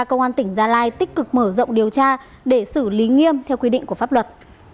công an tỉnh gia lai tích cực mở rộng điều tra để xử lý nghiêm theo quy định của pháp luật